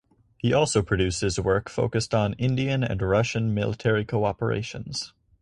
He also produced his work focused on Indian and Russian military cooperations.